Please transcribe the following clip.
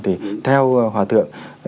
thì theo hòa tượng